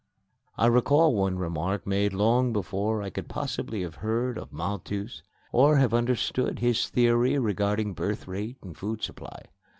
I recall one remark made long before I could possibly have heard of Malthus or have understood his theory regarding birth rate and food supply.